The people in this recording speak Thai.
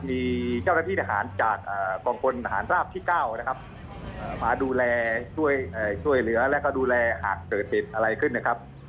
มีเจ้าระที่ทหารจากกองคลอาหารราบที่๙มาดูแลช่วยเหลือและดูแลหากเจอติดอะไรขึ้นนะครับ